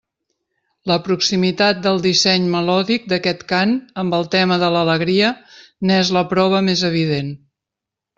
La proximitat del disseny melòdic d'aquest cant amb el tema de l'alegria n'és la prova més evident.